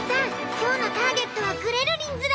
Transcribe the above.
今日のターゲットはグレるりんズラ！